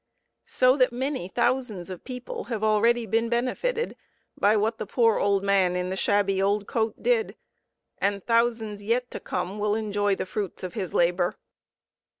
So that many thousands of people have already been benefited by what the poor old man in the shabby old coat did, and thousands yet to come will enjoy the fruits of his labor.